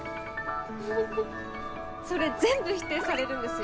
フフフそれ全部否定されるんですよ。